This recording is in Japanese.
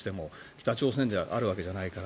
北朝鮮であるわけじゃないから。